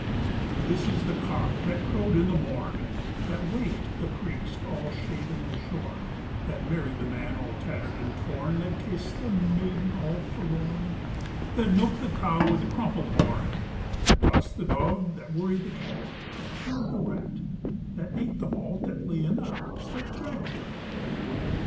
This is the Priest, all shaven and shorn, That married the Man all tattered and torn, That kissed the Maiden all forlorn, That milked the Cow with the crumpled horn, That tossed the Dog, That worried the Cat, That killed the Rat, That ate the Malt, That lay in the House that Jack built.